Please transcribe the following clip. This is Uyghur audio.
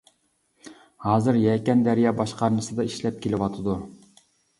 ھازىر يەكەن دەريا باشقارمىسىدا ئىشلەپ كېلىۋاتىدۇ.